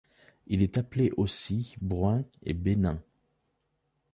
Il est appelé aussi Broingt et Bénin.